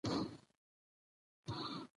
زه لکه خوب د زړه تر کوره بې اختیاره درځم